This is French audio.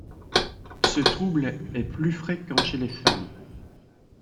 Ce trouble est plus fréquent chez les femmes.